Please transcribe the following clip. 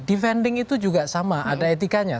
defending itu juga sama ada etikanya